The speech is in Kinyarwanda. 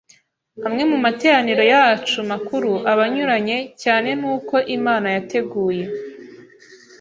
amwe mu materaniro yacu makuru aba anyuranye cyane n’uko Imana yateguye